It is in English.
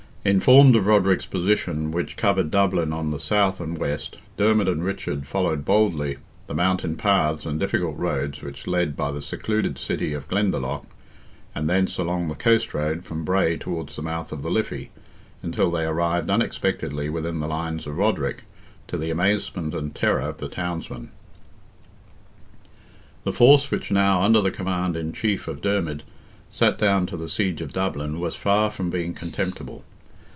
Informed of Roderick's position, which covered Dublin on the south and west, Dermid and Richard followed boldly the mountain paths and difficult roads which led by the secluded city of Glendalough, and thence along the coast road from Bray towards the mouth of the Liffey, until they arrived unexpectedly within the lines of Roderick, to the amazement and terror of the townsmen. The force which now, under the command in chief of Dermid, sat down to the siege of Dublin, was far from being contemptible.